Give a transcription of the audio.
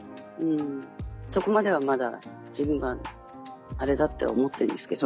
そこまではまだ自分はあれだって思ってるんですけど。